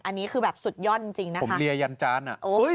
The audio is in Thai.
อันนี้คือแบบสุดยอดจริงผมเรียยนจาน